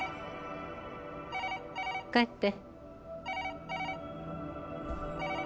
帰って。